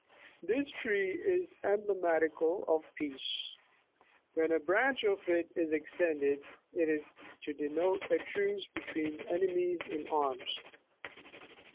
This tree is emblematical of peace :80 when a branch of it is extended, it is to denote a truce between enemies in arms.